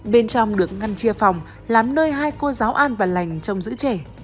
bên trong được ngăn chia phòng làm nơi hai cô giáo an và lành trong giữ trẻ